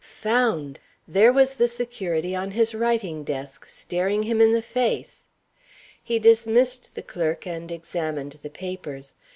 Found! There was the security on his writing desk, staring him in the face! He dismissed the clerk and examined the papers.